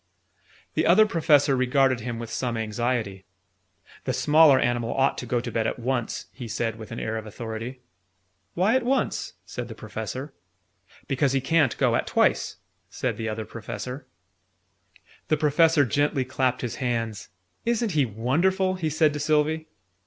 The Other Professor regarded him with some anxiety. "The smaller animal ought to go to bed at once," he said with an air of authority. "Why at once?" said the Professor. "Because he can't go at twice," said the Other Professor. The Professor gently clapped his hands. "Isn't he wonderful!" he said to Sylvie.